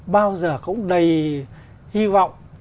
bao giờ cũng đầy hy vọng